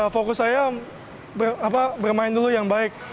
fokus saya bermain dulu yang baik